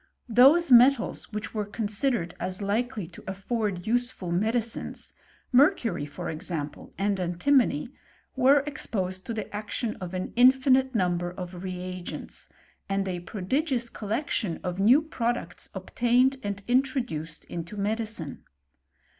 Those metsjj were considered as likely to afibrd useful m^ mercury for example, and antimony, were 6jq| the action of an infinite number of reagentS| prodigious collection of new products obtan( introduced into medicine.